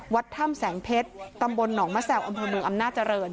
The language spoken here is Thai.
วัดถ้ำแสงเพชรตำบลหนองมะแสวอัมพลวงอำนาจริง